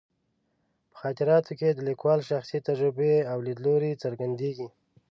په خاطراتو کې د لیکوال شخصي تجربې او لیدلوري څرګندېږي.